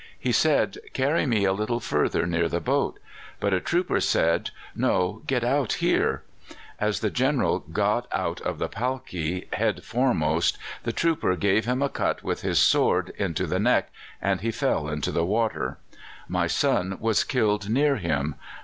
He said, 'Carry me a little further near the boat.' But a trooper said, 'No; get out here.' As the General got out of the palkee, head foremost, the trooper gave him a cut with his sword into the neck, and he fell into the water. My son was killed near him.